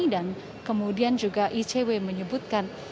dan kemudian juga icw menyebutkan